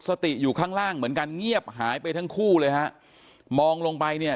สติอยู่ข้างล่างเหมือนกันเงียบหายไปทั้งคู่เลยฮะมองลงไปเนี่ย